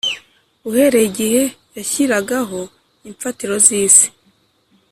uhereye igihe yashyiragaho imfatiro z’isi.